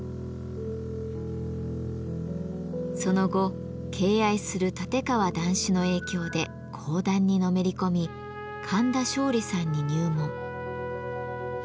その後敬愛する立川談志の影響で講談にのめり込み神田松鯉さんに入門。